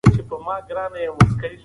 که پاڼې وي نو ونې نه لوڅیږي.